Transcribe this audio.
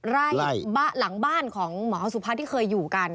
ไล่หลังบ้านของหมอสุพัฒน์ที่เคยอยู่กัน